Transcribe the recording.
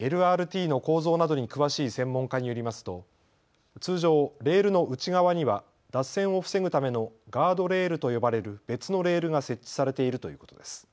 ＬＲＴの構造などに詳しい専門家によりますと、通常、レールの内側には脱線を防ぐためのガードレールと呼ばれる別のレールが設置されているということです。